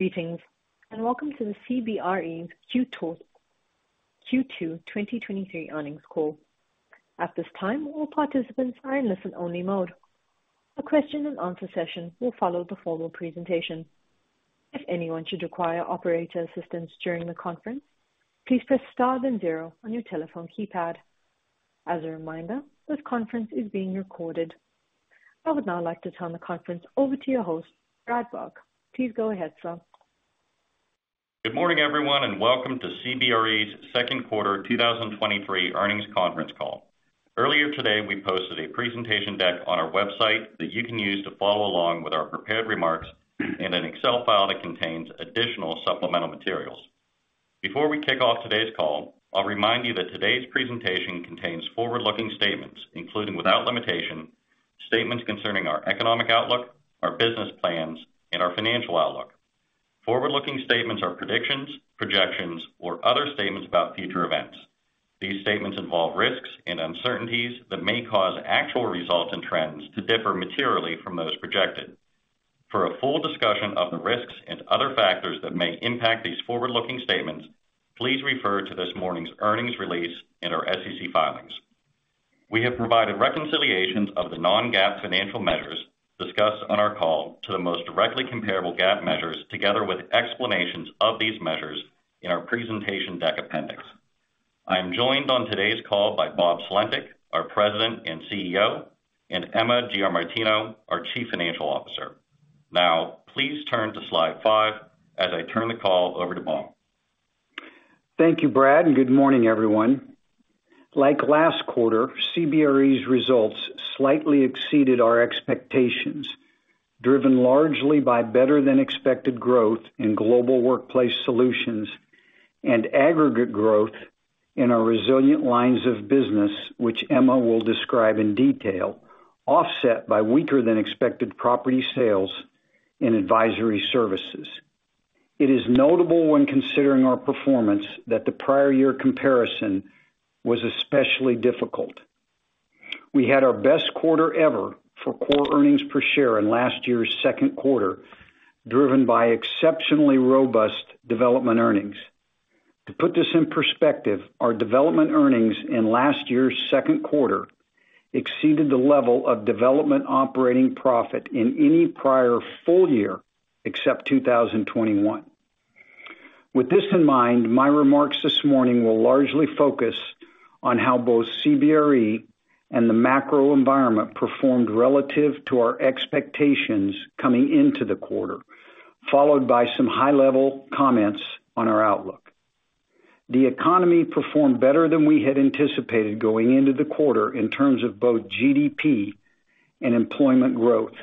Greetings, welcome to the CBRE's Q2, Q2 2023 earnings call. At this time, all participants are in listen-only mode. A question and answer session will follow the formal presentation. If anyone should require operator assistance during the conference, please press star then zero on your telephone keypad. As a reminder, this conference is being recorded. I would now like to turn the conference over to your host, Brad Burke. Please go ahead, sir. Good morning, everyone, welcome to CBRE's second quarter 2023 earnings conference call. Earlier today, we posted a presentation deck on our website that you can use to follow along with our prepared remarks in an Excel file that contains additional supplemental materials. Before we kick off today's call, I'll remind you that today's presentation contains forward-looking statements, including without limitation, statements concerning our economic outlook, our business plans, and our financial outlook. Forward-looking statements are predictions, projections, or other statements about future events. These statements involve risks and uncertainties that may cause actual results and trends to differ materially from those projected. For a full discussion of the risks and other factors that may impact these forward-looking statements, please refer to this morning's earnings release and our SEC filings. We have provided reconciliations of the non-GAAP financial measures discussed on our call to the most directly comparable GAAP measures, together with explanations of these measures in our presentation deck appendix. I am joined on today's call by Bob Sulentic, our President and CEO, and Emma Giamartino, our Chief Financial Officer. Please turn to slide five as I turn the call over to Bob. Thank you, Brad. Good morning, everyone. Like last quarter, CBRE's results slightly exceeded our expectations, driven largely by better than expected growth in Global Workplace Solutions and aggregate growth in our resilient lines of business, which Emma will describe in detail, offset by weaker than expected property sales and advisory services. It is notable when considering our performance, that the prior year comparison was especially difficult. We had our best quarter ever for core earnings per share in last year's second quarter, driven by exceptionally robust development earnings. To put this in perspective, our development earnings in last year's second quarter exceeded the level of development operating profit in any prior full year, except 2021. With this in mind, my remarks this morning will largely focus on how both CBRE and the macro environment performed relative to our expectations coming into the quarter, followed by some high-level comments on our outlook. The economy performed better than we had anticipated going into the quarter in terms of both GDP and employment growth.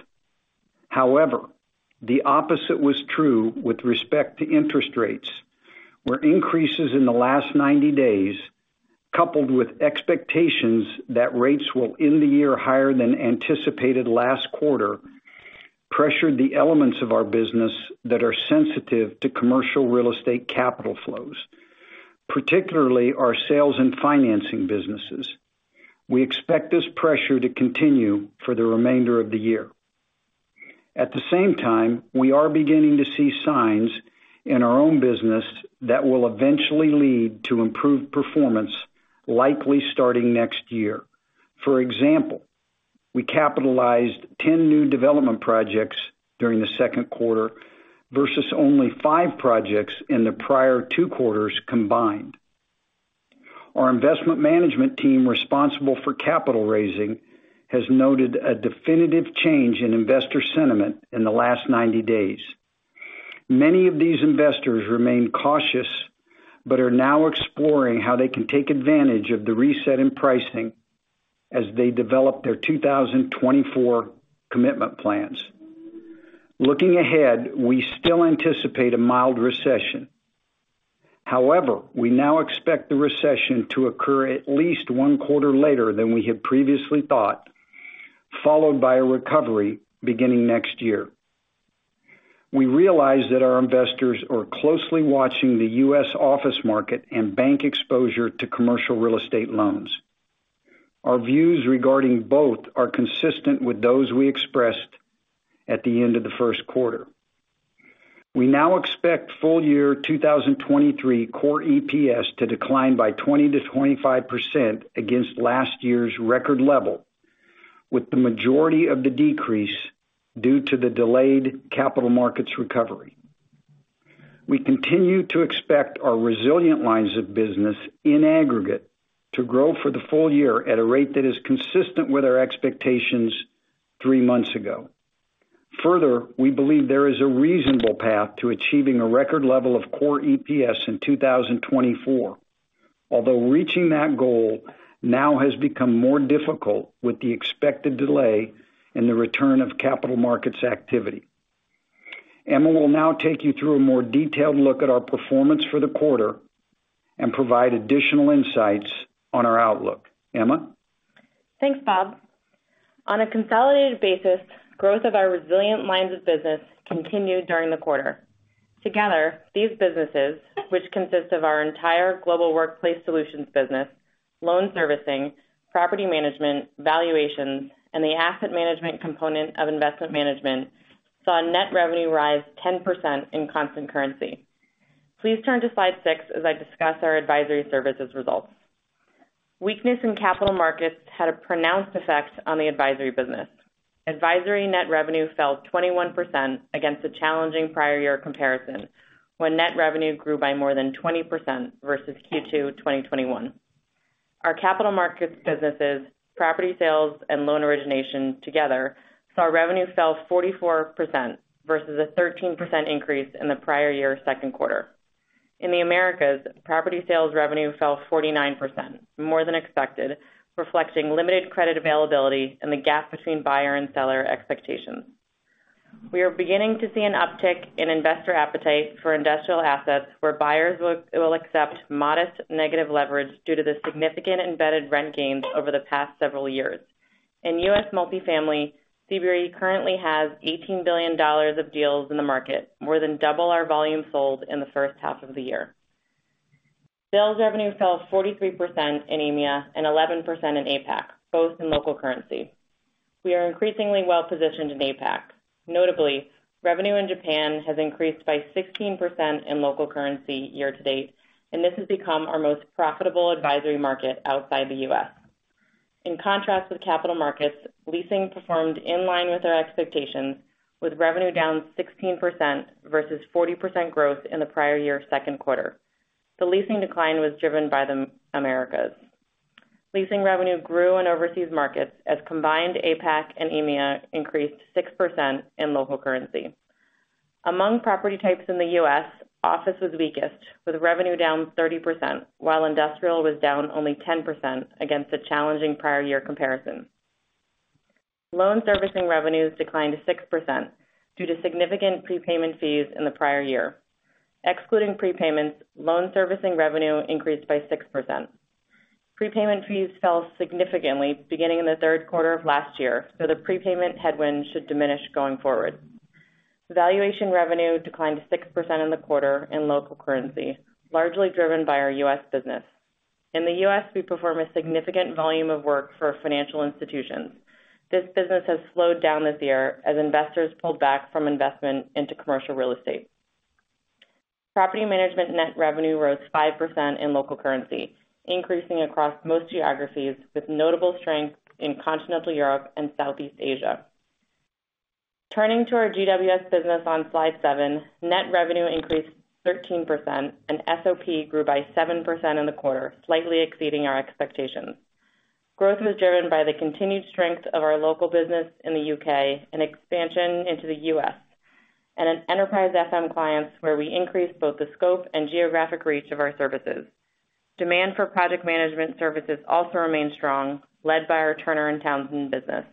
However, the opposite was true with respect to interest rates, where increases in the last 90 days, coupled with expectations that rates will end the year higher than anticipated last quarter, pressured the elements of our business that are sensitive to commercial real estate capital flows, particularly our sales and financing businesses. We expect this pressure to continue for the remainder of the year. At the same time, we are beginning to see signs in our own business that will eventually lead to improved performance, likely starting next year. For example, we capitalized 10 new development projects during the second quarter versus only five projects in the prior two quarters combined. Our investment management team, responsible for capital raising, has noted a definitive change in investor sentiment in the last 90 days. Many of these investors remain cautious, are now exploring how they can take advantage of the reset in pricing as they develop their 2024 commitment plans. Looking ahead, we still anticipate a mild recession. We now expect the recession to occur at least one quarter later than we had previously thought, followed by a recovery beginning next year. We realize that our investors are closely watching the U.S. office market and bank exposure to commercial real estate loans. Our views regarding both are consistent with those we expressed at the end of the first quarter. We now expect full year 2023 core EPS to decline by 20%-25% against last year's record level, with the majority of the decrease due to the delayed capital markets recovery. We continue to expect our resilient lines of business in aggregate to grow for the full year at a rate that is consistent with our expectations three months ago. We believe there is a reasonable path to achieving a record level of core EPS in 2024, although reaching that goal now has become more difficult with the expected delay in the return of capital markets activity. Emma will now take you through a more detailed look at our performance for the quarter and provide additional insights on our outlook. Emma? Thanks, Bob. On a consolidated basis, growth of our resilient lines of business continued during the quarter. Together, these businesses, which consist of our entire Global Workplace Solutions, loan servicing, property management, valuations, and the asset management component of investment management, saw net revenue rise 10% in constant currency. Please turn to slide 6 as I discuss our advisory services results. Weakness in capital markets had a pronounced effect on the advisory business. Advisory net revenue fell 21% against a challenging prior year comparison, when net revenue grew by more than 20% versus Q2 2021. Our capital markets businesses, property sales, and loan origination together, saw revenue fell 44% versus a 13% increase in the prior year's second quarter. In the Americas, property sales revenue fell 49%, more than expected, reflecting limited credit availability and the gap between buyer and seller expectations. We are beginning to see an uptick in investor appetite for industrial assets, where buyers will accept modest negative leverage due to the significant embedded rent gains over the past several years. In U.S. multifamily, CBRE currently has $18 billion of deals in the market, more than double our volume sold in the first half of the year. Sales revenue fell 43% in EMEA and 11% in APAC, both in local currency. We are increasingly well-positioned in APAC. Notably, revenue in Japan has increased by 16% in local currency year to date. This has become our most profitable advisory market outside the U.S. In contrast with capital markets, leasing performed in line with our expectations, with revenue down 16% versus 40% growth in the prior year's second quarter. The leasing decline was driven by the Americas. Leasing revenue grew in overseas markets as combined APAC and EMEA increased 6% in local currency. Among property types in the U.S., office was weakest, with revenue down 30%, while industrial was down only 10% against a challenging prior year comparison. Loan servicing revenues declined 6% due to significant prepayment fees in the prior year. Excluding prepayments, loan servicing revenue increased by 6%. Prepayment fees fell significantly beginning in the third quarter of last year, so the prepayment headwind should diminish going forward. Valuation revenue declined 6% in the quarter in local currency, largely driven by our U.S. business. In the U.S., we perform a significant volume of work for financial institutions. This business has slowed down this year as investors pulled back from investment into commercial real estate. Property management net revenue rose 5% in local currency, increasing across most geographies, with notable strength in continental Europe and Southeast Asia. Turning to our GWS business on slide seven, net revenue increased 13%, and SOP grew by 7% in the quarter, slightly exceeding our expectations. Growth was driven by the continued strength of our Local business in the U.K. and expansion into the U.S., and in Enterprise FM clients, where we increased both the scope and geographic reach of our services. Demand for project management services also remained strong, led by our Turner & Townsend business.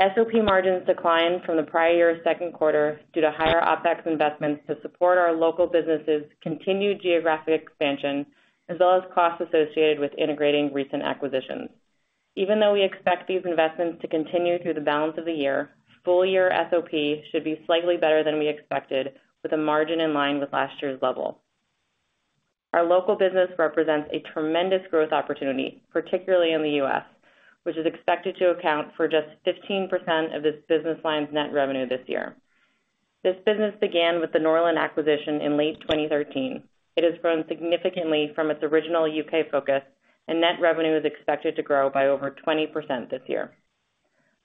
SOP margins declined from the prior year's second quarter due to higher OpEx investments to support our Local businesses' continued geographic expansion, as well as costs associated with integrating recent acquisitions. Even though we expect these investments to continue through the balance of the year, full year SOP should be slightly better than we expected, with a margin in line with last year's level. Our Local business represents a tremendous growth opportunity, particularly in the U.S., which is expected to account for just 15% of this business line's net revenue this year. This business began with the Norland acquisition in late 2013. It has grown significantly from its original U.K. focus, and net revenue is expected to grow by over 20% this year.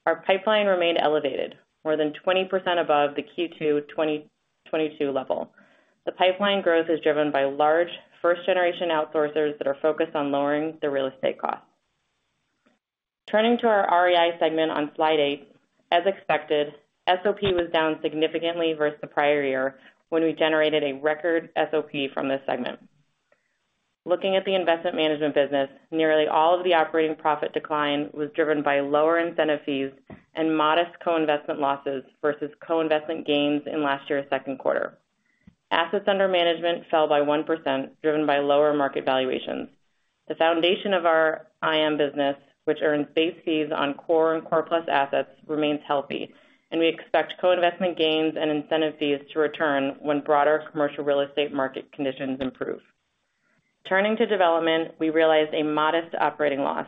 Our pipeline remained elevated, more than 20% above the Q2 2022 level. The pipeline growth is driven by large, first-generation outsourcers that are focused on lowering their real estate costs. Turning to our REI segment on slide eight, as expected, SOP was down significantly versus the prior year, when we generated a record SOP from this segment. Looking at the investment management business, nearly all of the operating profit decline was driven by lower incentive fees and modest co-investment losses versus co-investment gains in last year's second quarter. Assets under management fell by 1%, driven by lower market valuations. The foundation of our IM business, which earns base fees on core and core plus assets, remains healthy, and we expect co-investment gains and incentive fees to return when broader commercial real estate market conditions improve. Turning to development, we realized a modest operating loss.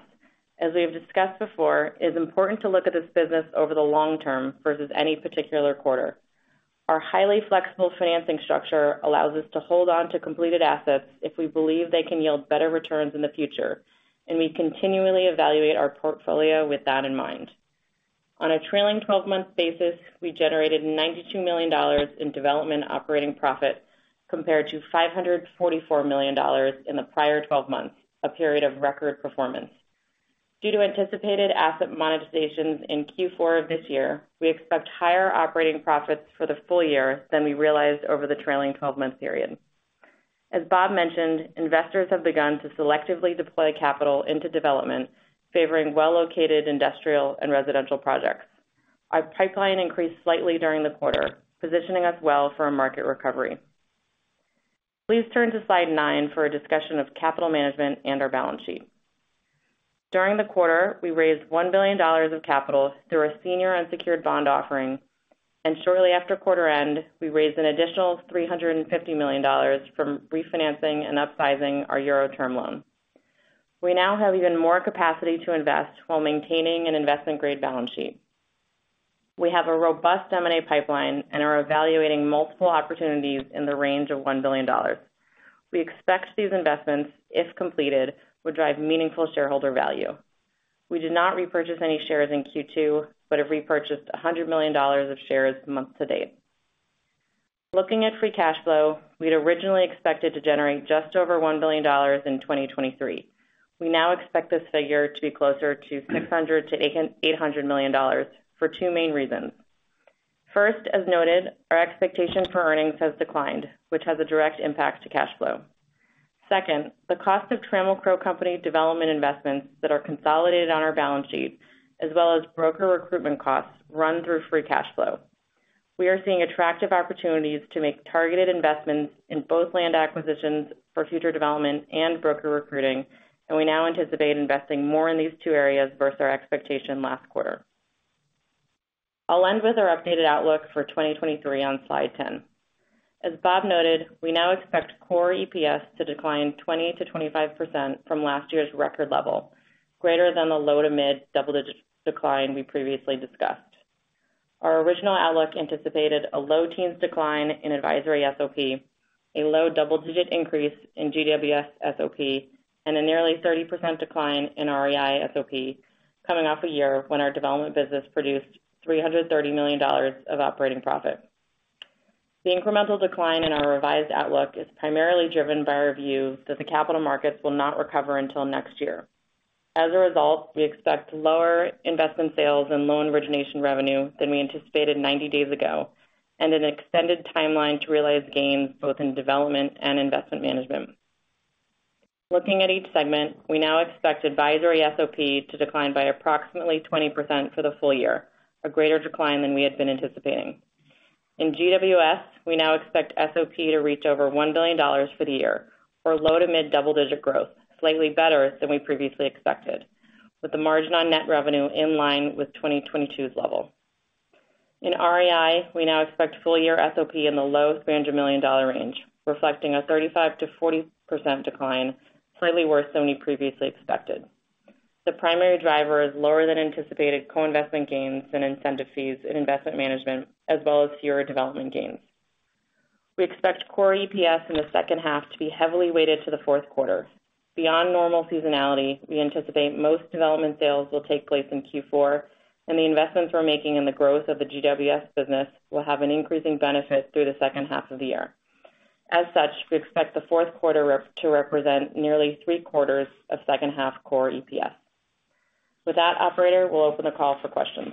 As we have discussed before, it is important to look at this business over the long term versus any particular quarter. Our highly flexible financing structure allows us to hold on to completed assets if we believe they can yield better returns in the future, and we continually evaluate our portfolio with that in mind. On a trailing 12-month basis, we generated $92 million in development operating profit, compared to $544 million in the prior 12 months, a period of record performance. Due to anticipated asset monetizations in Q4 of this year, we expect higher operating profits for the full year than we realized over the trailing 12-month period. As Bob mentioned, investors have begun to selectively deploy capital into development, favoring well-located industrial and residential projects. Our pipeline increased slightly during the quarter, positioning us well for a market recovery. Please turn to slide nine for a discussion of capital management and our balance sheet. During the quarter, we raised $1 billion of capital through a senior unsecured bond offering, and shortly after quarter end, we raised an additional $350 million from refinancing and upsizing our Euro term loan. We now have even more capacity to invest while maintaining an investment grade balance sheet. We have a robust M&A pipeline and are evaluating multiple opportunities in the range of $1 billion. We expect these investments, if completed, would drive meaningful shareholder value. We did not repurchase any shares in Q2, but have repurchased $100 million of shares month to date. Looking at free cash flow, we'd originally expected to generate just over $1 billion in 2023. We now expect this figure to be closer to $600 million-$800 million for two main reasons. First, as noted, our expectation for earnings has declined, which has a direct impact to cash flow. Second, the cost of Trammell Crow Company development investments that are consolidated on our balance sheet, as well as broker recruitment costs, run through free cash flow. We are seeing attractive opportunities to make targeted investments in both land acquisitions for future development and broker recruiting, and we now anticipate investing more in these two areas versus our expectation last quarter. I'll end with our updated outlook for 2023 on slide 10. As Bob noted, we now expect core EPS to decline 20%-25% from last year's record level, greater than the low to mid double-digit decline we previously discussed. Our original outlook anticipated a low teens decline in advisory SOP, a low double-digit increase in GWS SOP, and a nearly 30% decline in REI SOP, coming off a year when our development business produced $330 million of operating profit. The incremental decline in our revised outlook is primarily driven by our view that the capital markets will not recover until next year. As a result, we expect lower investment sales and loan origination revenue than we anticipated 90 days ago, and an extended timeline to realize gains both in development and investment management. Looking at each segment, we now expect advisory SOP to decline by approximately 20% for the full year, a greater decline than we had been anticipating. In GWS, we now expect SOP to reach over $1 billion for the year or low to mid double-digit growth, slightly better than we previously expected, with the margin on net revenue in line with 2022's level. In REI, we now expect full year SOP in the low $300 million range, reflecting a 35%-40% decline, slightly worse than we previously expected. The primary driver is lower than anticipated co-investment gains and incentive fees in investment management, as well as fewer development gains. We expect core EPS in the second half to be heavily weighted to the fourth quarter. Beyond normal seasonality, we anticipate most development sales will take place in Q4, and the investments we're making in the growth of the GWS business will have an increasing benefit through the second half of the year. As such, we expect the fourth quarter to represent nearly three quarters of second half core EPS. With that, operator, we'll open the call for questions.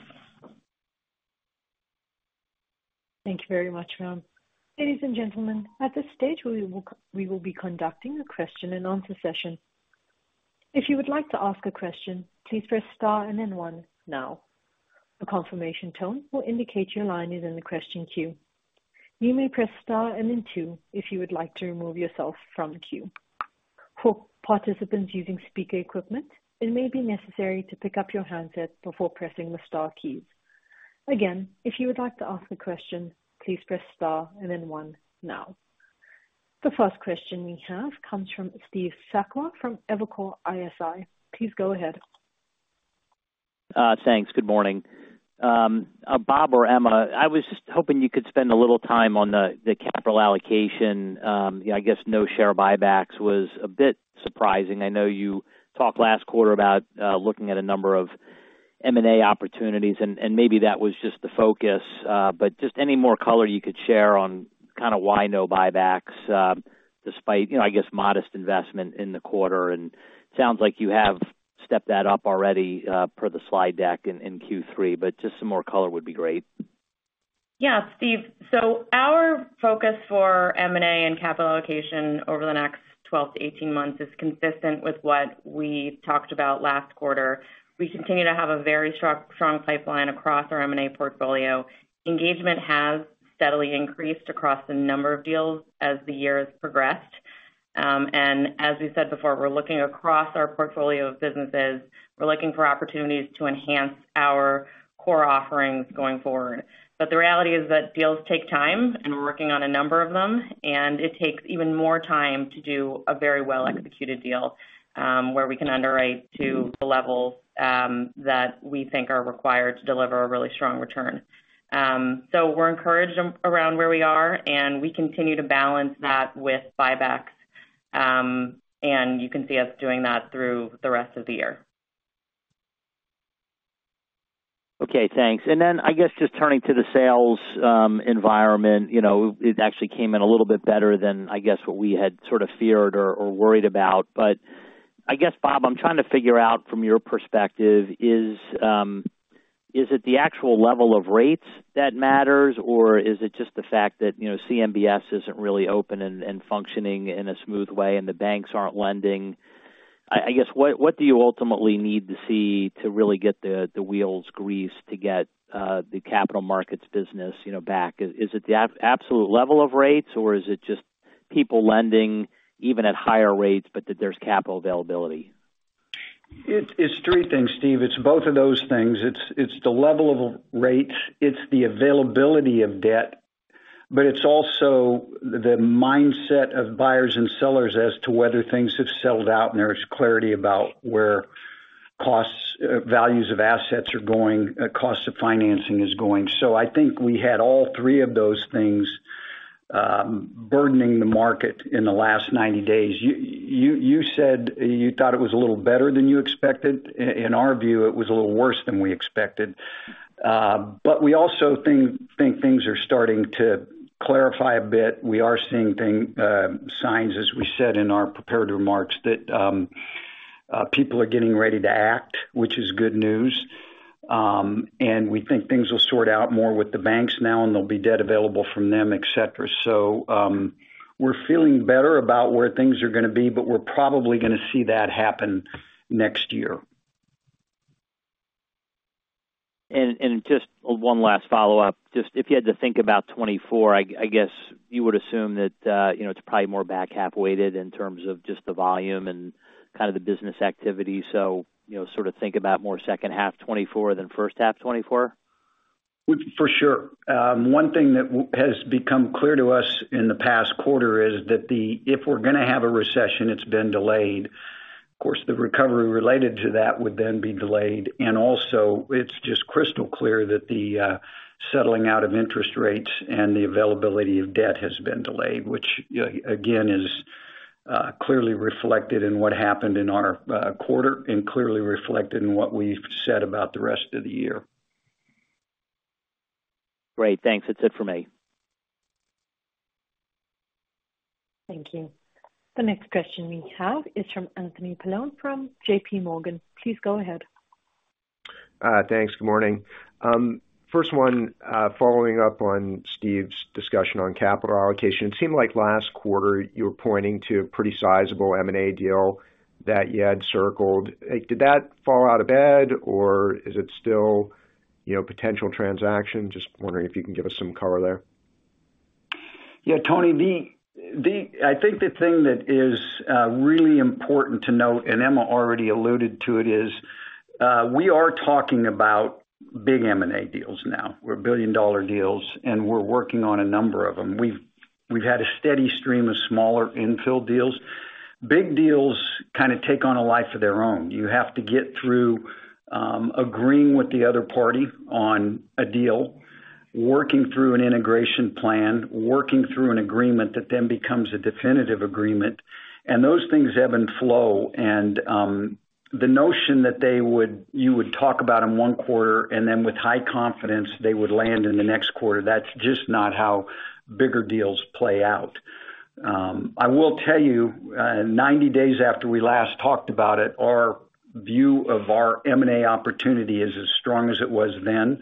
Thank you very much, ma'am. Ladies and gentlemen, at this stage, we will be conducting a question and answer session. If you would like to ask a question, please press star and then one now. A confirmation tone will indicate your line is in the question queue. You may press star and then two if you would like to remove yourself from the queue. For participants using speaker equipment, it may be necessary to pick up your handset before pressing the star keys. Again, if you would like to ask a question, please press star and then one now. The first question we have comes from Steve Sakwa from Evercore ISI. Please go ahead. Thanks. Good morning. Bob or Emma, I was just hoping you could spend a little time on the capital allocation. I guess no share buybacks was a bit surprising. I know you talked last quarter about looking at a number of M&A opportunities, and maybe that was just the focus, but just any more color you could share on kind of why no buybacks, despite, you know, I guess modest investment in the quarter? Sounds like you have stepped that up already, per the slide deck in Q3, but just some more color would be great. Yeah, Steve. Our focus for M&A and capital allocation over the next 12 to 18 months is consistent with what we talked about last quarter. We continue to have a very strong pipeline across our M&A portfolio. Engagement has steadily increased across a number of deals as the year has progressed. As we said before, we're looking across our portfolio of businesses. We're looking for opportunities to enhance our core offerings going forward. The reality is that deals take time, and we're working on a number of them, and it takes even more time to do a very well-executed deal, where we can underwrite to the levels that we think are required to deliver a really strong return. We're encouraged around where we are, and we continue to balance that with buybacks. You can see us doing that through the rest of the year. Okay, thanks. Then, I guess, just turning to the sales environment, you know, it actually came in a little bit better than, I guess, what we had sort of feared or worried about. I guess, Bob, I'm trying to figure out from your perspective, is it the actual level of rates that matters, or is it just the fact that, you know, CMBS isn't really open and functioning in a smooth way and the banks aren't lending? I guess, what do you ultimately need to see to really get the wheels greased to get the capital markets business, you know, back? Is it the absolute level of rates, or is it just people lending even at higher rates, but that there's capital availability? It's three things, Steve. It's both of those things. It's the level of rates, it's the availability of debt, but it's also the mindset of buyers and sellers as to whether things have settled out, and there's clarity about where costs, values of assets are going, cost of financing is going. I think we had all three of those things, burdening the market in the last 90 days. You said you thought it was a little better than you expected. In our view, it was a little worse than we expected. We also think things are starting to clarify a bit. We are seeing signs, as we said in our prepared remarks, that people are getting ready to act, which is good news. We think things will sort out more with the banks now, and there'll be debt available from them, et cetera. We're feeling better about where things are gonna be, but we're probably gonna see that happen next year. Just one last follow-up. Just if you had to think about 2024, I, I guess you would assume that, you know, it's probably more back half-weighted in terms of just the volume and kind of the business activity. you know, sort of think about more second half 2024 than first half 2024? For sure. One thing that has become clear to us in the past quarter is that the if we're gonna have a recession, it's been delayed. Of course, the recovery related to that would then be delayed. Also, it's just crystal clear that the settling out of interest rates and the availability of debt has been delayed, which, again, is clearly reflected in what happened in our quarter and clearly reflected in what we've said about the rest of the year. Great. Thanks. That's it for me. Thank you. The next question we have is from Anthony Paolone from JPMorgan. Please go ahead. Thanks. Good morning. First one, following up on Steve's discussion on capital allocation. It seemed like last quarter you were pointing to a pretty sizable M&A deal that you had circled. Like, did that fall out of bed, or is it still, you know, potential transaction? Just wondering if you can give us some color there. Yeah, Tony, I think the thing that is really important to note, and Emma already alluded to it, is we are talking about big M&A deals now. We're billion-dollar deals, and we're working on a number of them. We've had a steady stream of smaller infill deals. Big deals kind of take on a life of their own. You have to get through agreeing with the other party on a deal, working through an integration plan, working through an agreement that then becomes a definitive agreement, and those things ebb and flow. The notion that you would talk about in one quarter, and then with high confidence, they would land in the next quarter, that's just not how bigger deals play out. I will tell you, 90 days after we last talked about it, our view of our M&A opportunity is as strong as it was then.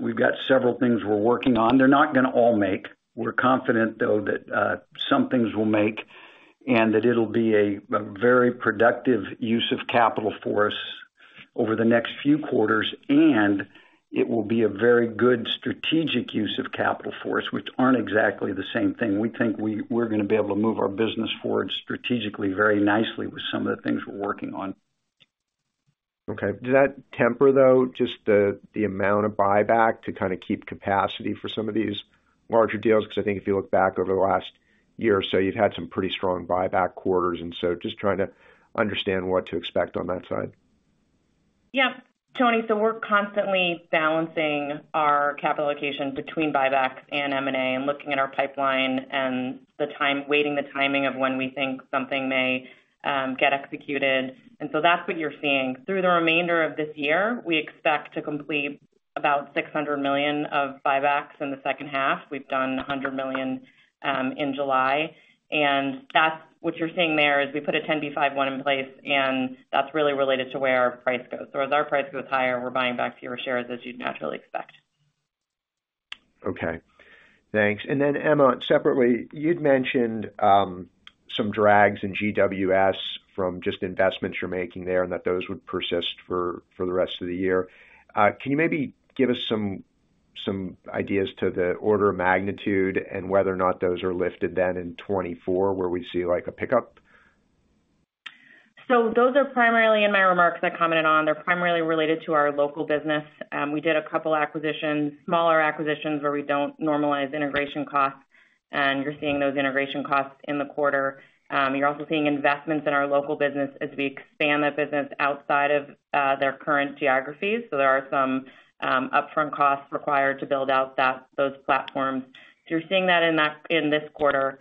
We've got several things we're working on. They're not gonna all make. We're confident, though, that some things will make, and that it'll be a very productive use of capital for us over the next few quarters, and it will be a very good strategic use of capital for us, which aren't exactly the same thing. We think we're gonna be able to move our business forward strategically, very nicely with some of the things we're working on. Okay. Does that temper, though, just the, the amount of buyback to kind of keep capacity for some of these larger deals? I think if you look back over the last year or so, you've had some pretty strong buyback quarters, just trying to understand what to expect on that side. Yeah. Tony, we're constantly balancing our capital allocation between buybacks and M&A and looking at our pipeline and the time-weighting the timing of when we think something may get executed, that's what you're seeing. Through the remainder of this year, we expect to complete about $600 million of buybacks in the second half. We've done $100 million in July, and that's what you're seeing there, is we put a 10b5-1 in place, and that's really related to where our price goes. As our price goes higher, we're buying back fewer shares, as you'd naturally expect. Okay. Thanks. Emma, separately, you'd mentioned some drags in GWS from just investments you're making there and that those would persist for the rest of the year. Can you maybe give us some ideas to the order of magnitude and whether or not those are lifted then in 2024, where we see, like, a pickup? Those are primarily in my remarks I commented on. They're primarily related to our Local business. We did a couple acquisitions, smaller acquisitions, where we don't normalize integration costs, and you're seeing those integration costs in the quarter. You're also seeing investments in our Local business as we expand that business outside of their current geographies. There are some upfront costs required to build out those platforms. You're seeing that in this quarter.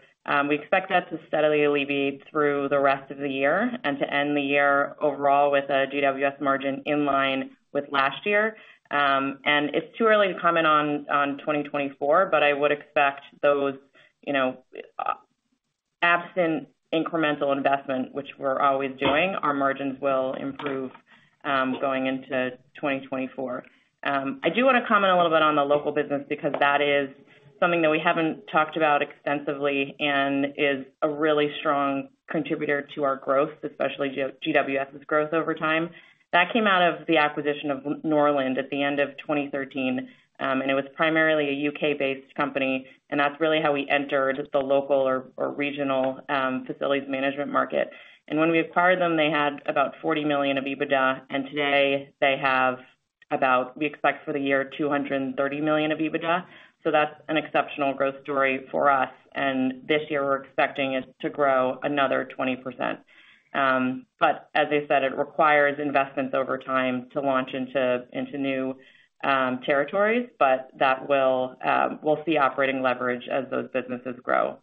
We expect that to steadily alleviate through the rest of the year and to end the year overall with a GWS margin in line with last year. It's too early to comment on 2024, but I would expect those, you know, absent incremental investment, which we're always doing, our margins will improve. going into 2024. I do want to comment a little bit on the Local business, because that is something that we haven't talked about extensively and is a really strong contributor to our growth, especially GWS's growth over time. That came out of the acquisition of Norland at the end of 2013, and it was primarily a U.K.-based company, and that's really how we entered the Local or regional facilities management market. When we acquired them, they had about $40 million of EBITDA, and today they have about, we expect for the year, $230 million of EBITDA. That's an exceptional growth story for us, and this year, we're expecting it to grow another 20%. As I said, it requires investments over time to launch into, into new territories, but that will, we'll see operating leverage as those businesses grow.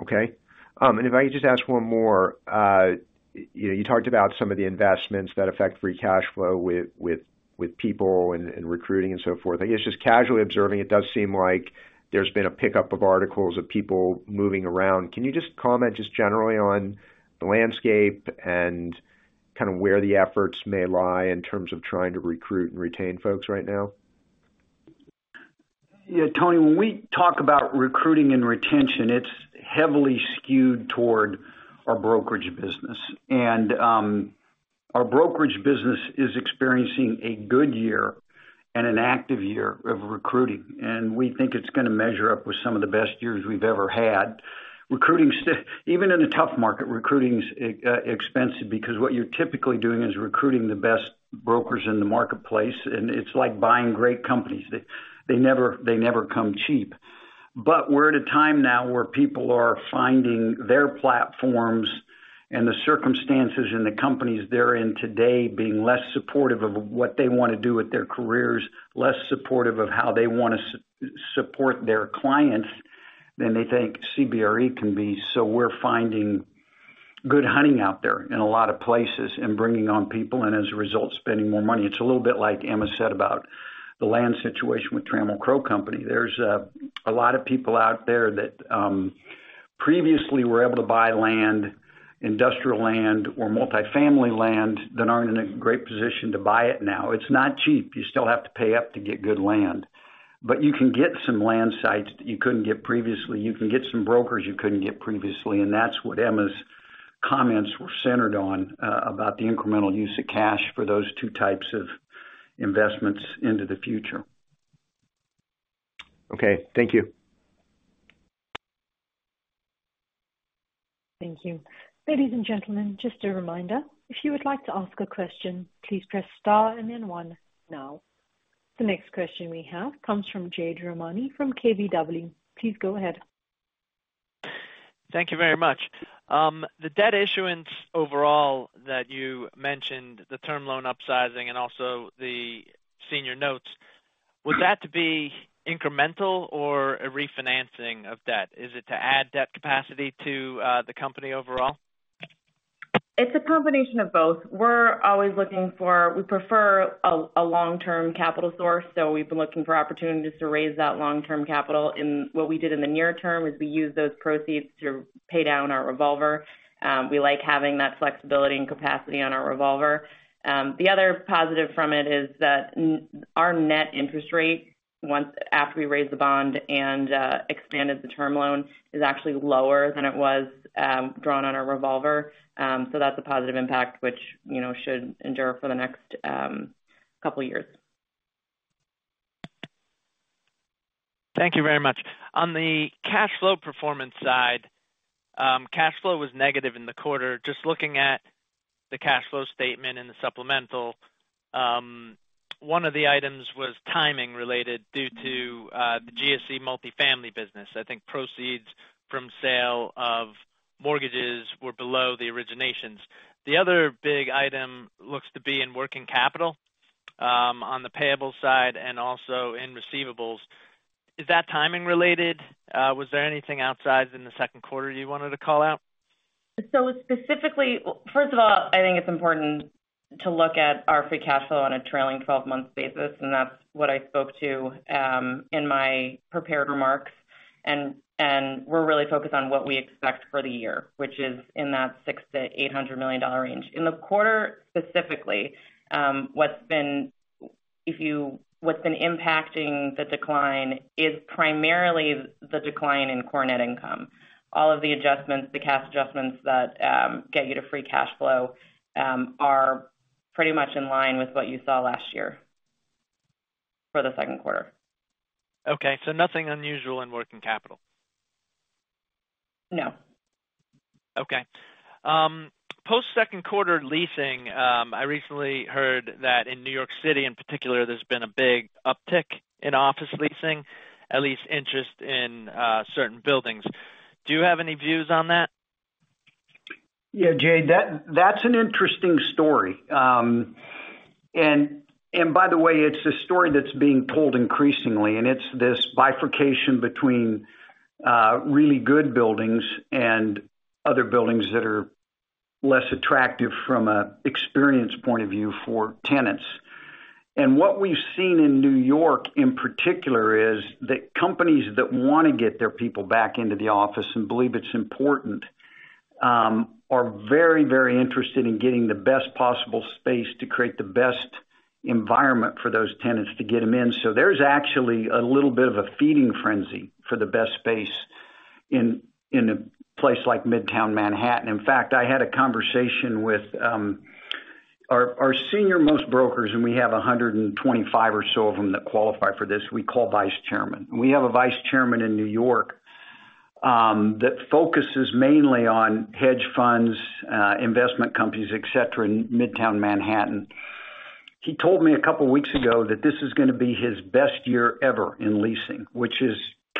Okay. If I could just ask one more. You know, you talked about some of the investments that affect free cash flow with people and recruiting and so forth. I guess, just casually observing, it does seem like there's been a pickup of articles of people moving around. Can you just comment just generally on the landscape and kind of where the efforts may lie in terms of trying to recruit and retain folks right now? Yeah, Tony, when we talk about recruiting and retention, it's heavily skewed toward our brokerage business. Our brokerage business is experiencing a good year and an active year of recruiting, and we think it's gonna measure up with some of the best years we've ever had. Recruiting even in a tough market, recruiting is expensive, because what you're typically doing is recruiting the best brokers in the marketplace, and it's like buying great companies. They never come cheap. We're at a time now where people are finding their platforms and the circumstances in the companies they're in today, being less supportive of what they want to do with their careers, less supportive of how they want to support their clients than they think CBRE can be. We're finding good hunting out there in a lot of places and bringing on people, and as a result, spending more money. It's a little bit like Emma said about the land situation with Trammell Crow Company. There's a lot of people out there that previously were able to buy land, industrial land or multifamily land, that aren't in a great position to buy it now. It's not cheap. You still have to pay up to get good land, but you can get some land sites that you couldn't get previously. You can get some brokers you couldn't get previously, and that's what Emma's comments were centered on about the incremental use of cash for those two types of investments into the future. Okay, thank you. Thank you. Ladies and gentlemen, just a reminder, if you would like to ask a question, please press star and then one now. The next question we have comes from Jade Rahmani from KBW. Please go ahead. Thank you very much. The debt issuance overall that you mentioned, the term loan upsizing and also the senior notes, would that be incremental or a refinancing of debt? Is it to add debt capacity to the company overall? It's a combination of both. We prefer a long-term capital source, so we've been looking for opportunities to raise that long-term capital. And what we did in the near term, is we used those proceeds to pay down our revolver. We like having that flexibility and capacity on our revolver. The other positive from it is that our net interest rate, after we raised the bond and expanded the term loan, is actually lower than it was drawn on our revolver. So that's a positive impact, which, you know, should endure for the next couple of years. Thank you very much. On the cash flow performance side, cash flow was negative in the quarter. Just looking at the cash flow statement and the supplemental, one of the items was timing related due to the GSE multifamily business. I think proceeds from sale of mortgages were below the originations. The other big item looks to be in working capital, on the payable side and also in receivables. Is that timing related? Was there anything outside in the second quarter you wanted to call out? First of all, I think it's important to look at our free cash flow on a trailing twelve-month basis, and that's what I spoke to in my prepared remarks. We're really focused on what we expect for the year, which is in that $600 million-$800 million range. In the quarter, specifically, what's been impacting the decline is primarily the decline in core net income. All of the adjustments, the cash adjustments that get you to free cash flow are pretty much in line with what you saw last year for the second quarter. Okay, nothing unusual in working capital? No. Post-second quarter leasing, I recently heard that in New York City, in particular, there's been a big uptick in office leasing, at least interest in certain buildings. Do you have any views on that? Yeah, Jade, that's an interesting story. And by the way, it's a story that's being told increasingly, and it's this bifurcation between really good buildings and other buildings that are less attractive from an experience point of view for tenants. What we've seen in New York, in particular, is that companies that want to get their people back into the office and believe it's important, are very, very interested in getting the best possible space to create the best environment for those tenants to get them in. There's actually a little bit of a feeding frenzy for the best space in a place like Midtown Manhattan. In fact, I had a conversation with our senior most brokers, and we have 125 or so of them that qualify for this, we call vice chairman. We have a vice chairman in New York that focuses mainly on hedge funds, investment companies, et cetera, in Midtown Manhattan. He told me a couple of weeks ago that this is gonna be his best year ever in leasing, which is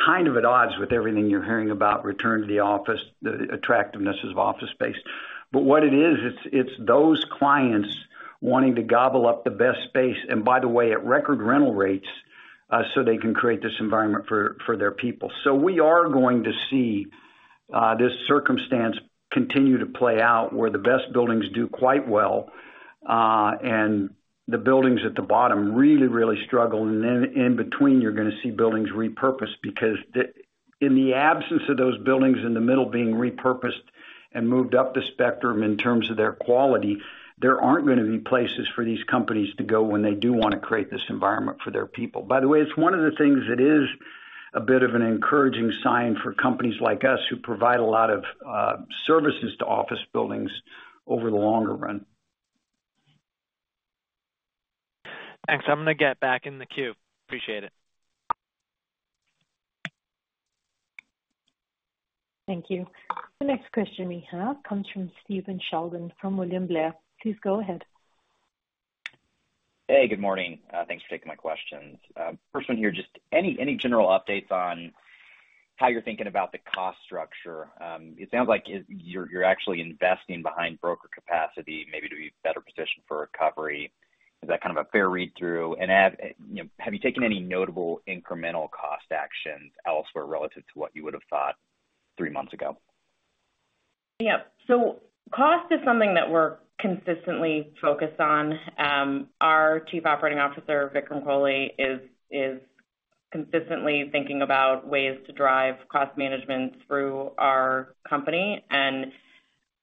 kind of at odds with everything you're hearing about return to the office, the attractiveness of office space. What it is, it's those clients wanting to gobble up the best space, and by the way, at record rental rates, so they can create this environment for their people. We are going to see, this circumstance continue to play out, where the best buildings do quite well, and the buildings at the bottom really struggle. In between, you're gonna see buildings repurposed, because in the absence of those buildings in the middle being repurposed and moved up the spectrum in terms of their quality, there aren't gonna be places for these companies to go when they do wanna create this environment for their people. By the way, it's one of the things that is a bit of an encouraging sign for companies like us, who provide a lot of services to office buildings over the longer run. Thanks. I'm gonna get back in the queue. Appreciate it. Thank you. The next question we have comes from Stephen Sheldon, from William Blair. Please go ahead. Hey, good morning. Thanks for taking my questions. First one here, just any general updates on how you're thinking about the cost structure? It sounds like you're actually investing behind broker capacity, maybe to be better positioned for recovery. Is that kind of a fair read through? Have, you know, have you taken any notable incremental cost actions elsewhere relative to what you would have thought three months ago? Cost is something that we're consistently focused on. Our Chief Operating Officer, Vikram Kohli, is consistently thinking about ways to drive cost management through our company.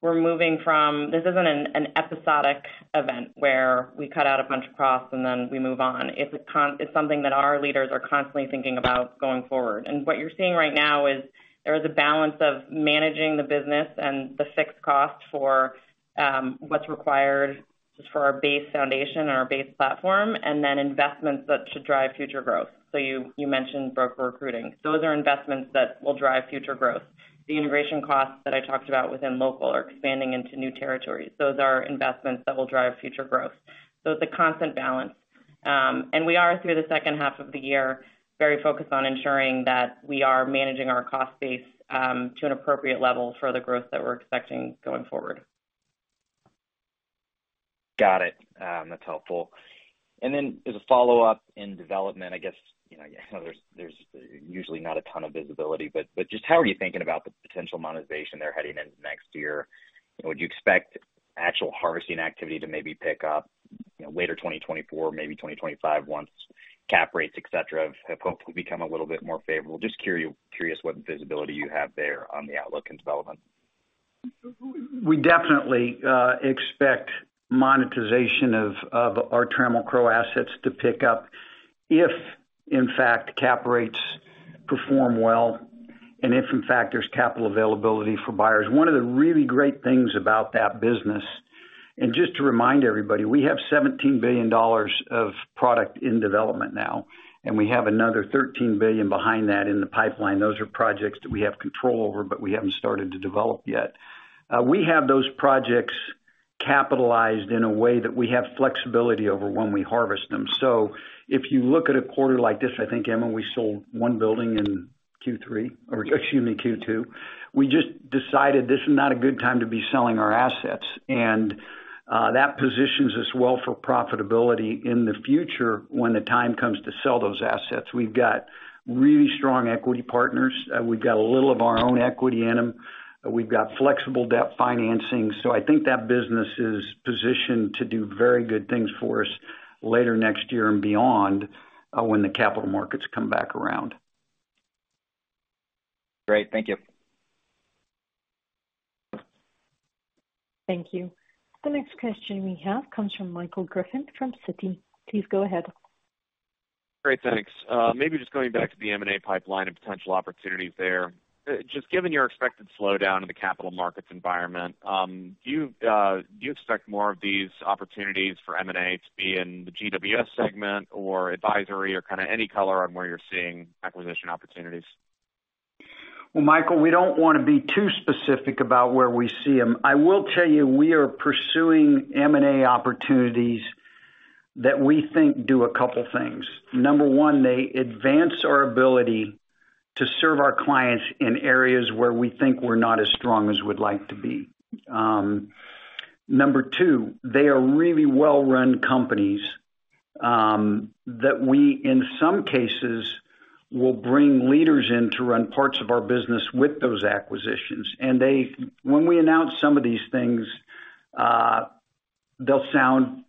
This isn't an episodic event where we cut out a bunch of costs and then we move on. It's something that our leaders are constantly thinking about going forward. What you're seeing right now is there is a balance of managing the business and the fixed cost for what's required just for our base foundation and our base platform, and then investments that should drive future growth. You mentioned broker recruiting. Those are investments that will drive future growth. The integration costs that I talked about within Local are expanding into new territories. Those are investments that will drive future growth. It's a constant balance. We are, through the second half of the year, very focused on ensuring that we are managing our cost base, to an appropriate level for the growth that we're expecting going forward. Got it. That's helpful. As a follow-up, in development, I guess, you know, there's usually not a ton of visibility, but just how are you thinking about the potential monetization there heading into next year? Would you expect actual harvesting activity to maybe pick up, you know, later 2024, maybe 2025, once cap rates, et cetera, have hopefully become a little bit more favorable? Just curious what visibility you have there on the outlook and development. We definitely expect monetization of our Trammell Crow assets to pick up if, in fact, cap rates perform well and if, in fact, there's capital availability for buyers. One of the really great things about that business. Just to remind everybody, we have $17 billion of product in development now, and we have another $13 billion behind that in the pipeline. Those are projects that we have control over, but we haven't started to develop yet. We have those projects capitalized in a way that we have flexibility over when we harvest them. If you look at a quarter like this, I think, Emma, we sold one building in Q3, or excuse me, Q2. We just decided this is not a good time to be selling our assets, and that positions us well for profitability in the future when the time comes to sell those assets. We've got really strong equity partners. We've got a little of our own equity in them. We've got flexible debt financing. I think that business is positioned to do very good things for us later next year and beyond, when the capital markets come back around. Great. Thank you. Thank you. The next question we have comes from Michael Griffin, from Citi. Please go ahead. Great, thanks. Maybe just going back to the M&A pipeline and potential opportunities there. Just given your expected slowdown in the capital markets environment, do you expect more of these opportunities for M&A to be in the GWS segment or advisory, or kind of any color on where you're seeing acquisition opportunities? Well, Michael, we don't want to be too specific about where we see them. I will tell you, we are pursuing M&A opportunities that we think do a couple things. Number one, they advance our ability to serve our clients in areas where we think we're not as strong as we'd like to be. Number two, they are really well-run companies that we, in some cases, will bring leaders in to run parts of our business with those acquisitions. When we announce some of these things, they'll sound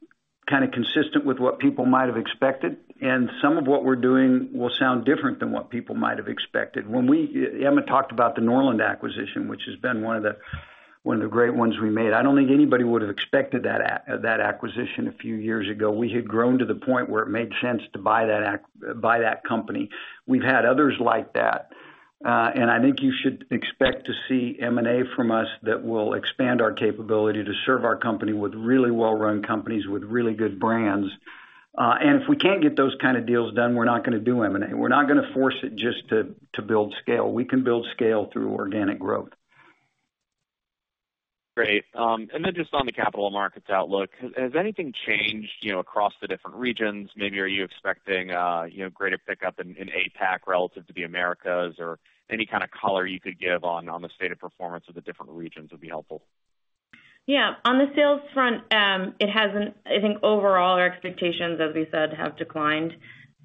kind of consistent with what people might have expected, and some of what we're doing will sound different than what people might have expected. Emma talked about the Norland acquisition, which has been one of the great ones we made. I don't think anybody would have expected that acquisition a few years ago. We had grown to the point where it made sense to buy that company. We've had others like that. I think you should expect to see M&A from us that will expand our capability to serve our company with really well-run companies with really good brands. If we can't get those kind of deals done, we're not gonna do M&A. We're not gonna force it just to build scale. We can build scale through organic growth. Great. Just on the capital markets outlook, has anything changed, you know, across the different regions? Maybe are you expecting, you know, greater pickup in APAC relative to the Americas, or any kind of color you could give on the state of performance of the different regions would be helpful. Yeah. On the sales front, it hasn't. I think overall, our expectations, as we said, have declined.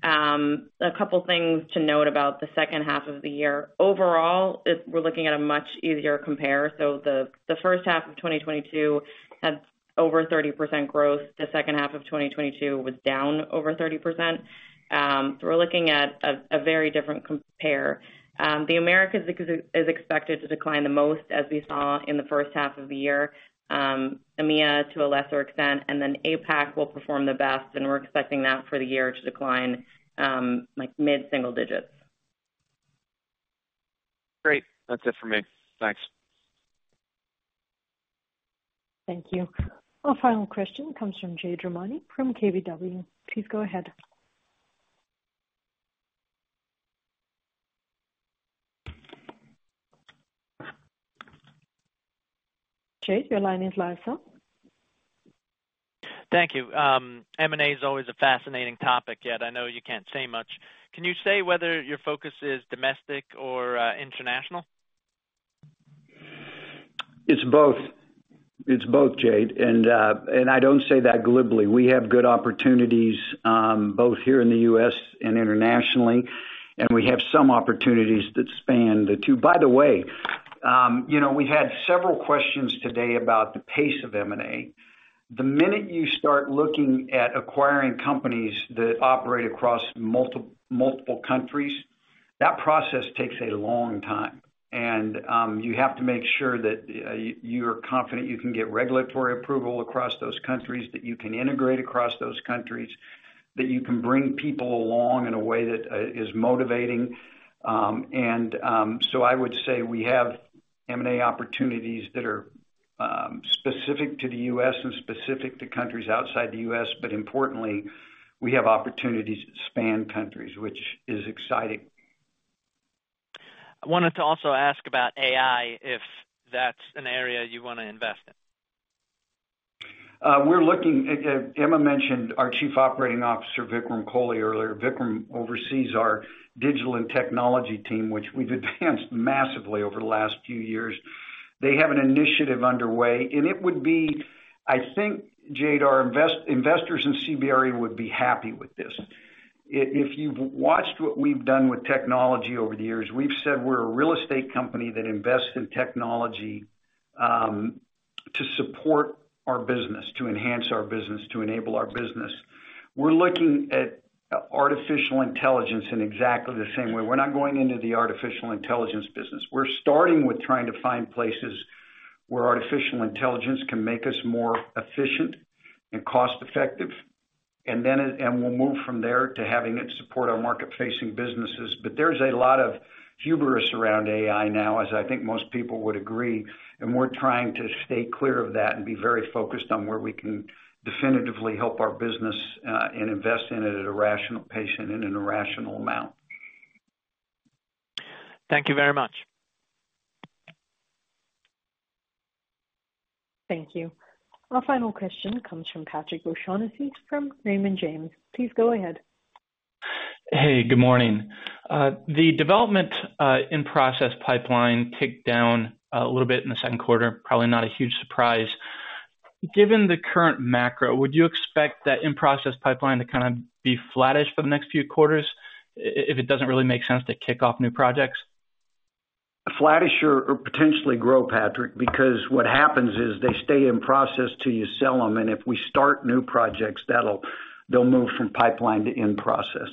A couple of things to note about the second half of the year. Overall, we're looking at a much easier compare. The, the first half of 2022 had over 30% growth. The second half of 2022 was down over 30%. We're looking at a, a very different compare. The Americas is expected to decline the most, as we saw in the first half of the year, EMEA to a lesser extent, APAC will perform the best, and we're expecting that for the year to decline, like, mid-single digits. Great. That's it for me. Thanks. Thank you. Our final question comes from Jade Rahmani from KBW. Please go ahead. Jade, your line is live, sir. Thank you. M&A is always a fascinating topic, yet I know you can't say much. Can you say whether your focus is domestic or international? It's both. It's both, Jade, and I don't say that glibly. We have good opportunities, both here in the U.S. and internationally, and we have some opportunities that span the two. By the way, you know, we had several questions today about the pace of M&A. The minute you start looking at acquiring companies that operate across multiple countries, that process takes a long time. You have to make sure that you're confident you can get regulatory approval across those countries, that you can integrate across those countries, that you can bring people along in a way that is motivating. I would say we have M&A opportunities that are specific to the U.S. and specific to countries outside the U.S., but importantly, we have opportunities that span countries, which is exciting. I wanted to also ask about AI, if that's an area you want to invest in? We're looking. Emma Giamartino mentioned our Chief Operating Officer, Vikram Kohli, earlier. Vikram oversees our digital and technology team, which we've advanced massively over the last few years. They have an initiative underway, it would be, I think, Jade Rahmani, our investors in CBRE would be happy with this. If, if you've watched what we've done with technology over the years, we've said we're a real estate company that invests in technology to support our business, to enhance our business, to enable our business. We're looking at artificial intelligence in exactly the same way. We're not going into the artificial intelligence business. We're starting with trying to find places where artificial intelligence can make us more efficient and cost-effective, then we'll move from there to having it support our market-facing businesses. There's a lot of hubris around AI now, as I think most people would agree, and we're trying to stay clear of that and be very focused on where we can definitively help our business and invest in it at a rational patient and in a rational amount. Thank you very much. Thank you. Our final question comes from Patrick O'Shaughnessy, from Raymond James. Please go ahead. Hey, good morning. The development, in-process pipeline ticked down a little bit in the second quarter, probably not a huge surprise. Given the current macro, would you expect that in-process pipeline to kind of be flattish for the next few quarters, if it doesn't really make sense to kick off new projects? Flattish or potentially grow, Patrick, because what happens is they stay in process till you sell them, and if we start new projects, they'll move from pipeline to in-process.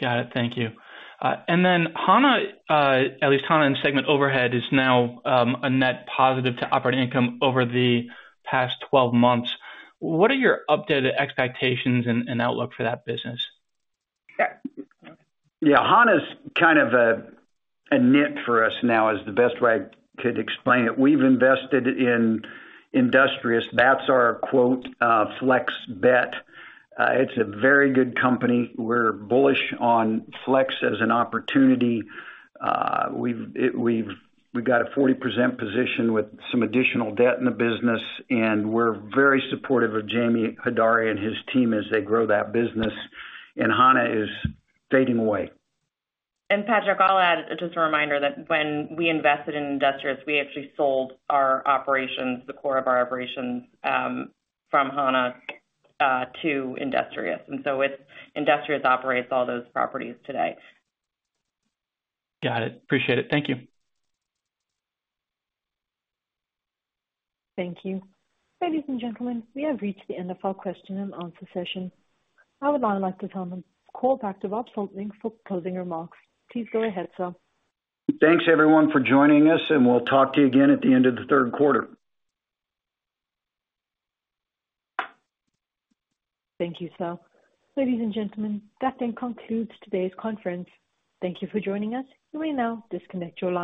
Got it. Thank you. Hana, at least Hana in segment overhead, is now a net positive to operating income over the past 12 months. What are your updated expectations and outlook for that business? Yeah. Hana's kind of a nit for us now, is the best way I could explain it. We've invested in Industrious. That's our quote, flex bet. It's a very good company. We're bullish on flex as an opportunity. We've got a 40% position with some additional debt in the business, and we're very supportive of Jamie Hodari and his team as they grow that business, and Hana is fading away. Patrick, I'll add just a reminder that when we invested in Industrious, we actually sold our operations, the core of our operations, from Hana to Industrious. Industrious operates all those properties today. Got it. Appreciate it. Thank you. Thank you. Ladies and gentlemen, we have reached the end of our question and answer session. I would now like to turn the call back to Bob Sulentic for closing remarks. Please go ahead, sir. Thanks, everyone, for joining us, and we'll talk to you again at the end of the third quarter. Thank you, sir. Ladies and gentlemen, that then concludes today's conference. Thank you for joining us. You may now disconnect your line.